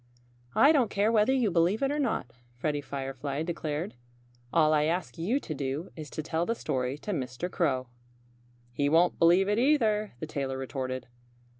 "I don't care whether you believe it or not," Freddie Firefly declared. "All I ask you to do is to tell the story to Mr. Crow." "He won't believe it, either," the tailor retorted.